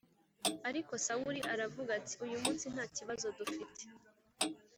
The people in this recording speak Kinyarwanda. Ariko Sawuli aravuga ati uyu munsi nta kibazo dufite